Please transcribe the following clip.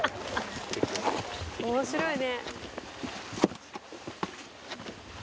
「面白いね」